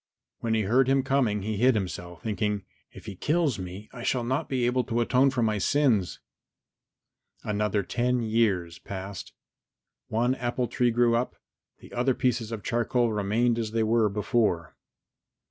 When he heard him coming he hid himself, thinking, "If he kills me I shall not be able to atone for my sins." Another ten years passed. One apple tree grew up, the other pieces of charcoal remained as they were before.